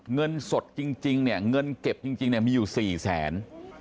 เงินสดจริงเนี่ยเงินเก็บจริงมีอยู่สี่แสน